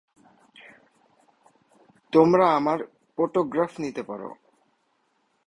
তোমরা আমার পটোগ্রাফ নিতে পারো।